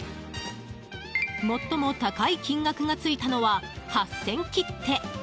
最も高い金額がついたのは八銭切手。